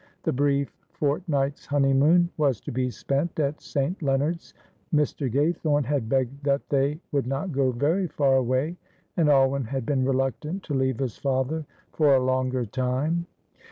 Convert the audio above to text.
The brief fortnight's honeymoon was to be spent at St. Leonards. Mr. Gaythorne had begged that they would not go very far away, and Alwyn had been reluctant to leave his father for a longer time.